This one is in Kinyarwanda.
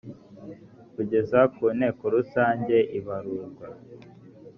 kugeza ku nteko rusange ibarurwa